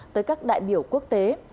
tới các đại biểu quốc tế